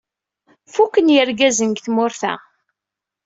Fuken yirgazen deg tmurt-a.